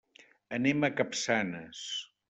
Anem a Capçanes.